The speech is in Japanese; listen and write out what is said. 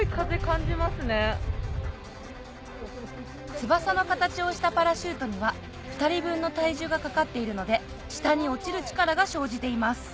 翼の形をしたパラシュートには２人分の体重がかかっているので下に落ちる力が生じています